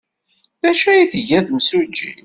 D acu ay tga temsujjit?